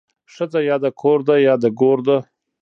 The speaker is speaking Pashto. ښځه يا د کور ده يا د ګور ده